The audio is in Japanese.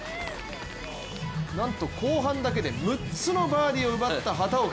なんと後半だけで６つのバーディーを奪った畑岡。